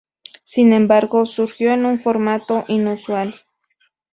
Sin embargo, surgió en un formato inusual.